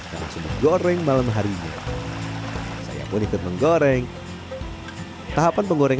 dalam menjalankan usaha pembuatan tahu gejrot ini